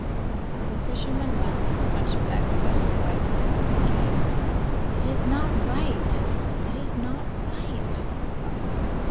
So the fisherman went, though much vexed that his wife wanted to be king. 'It is not right! It is not right,' he thought.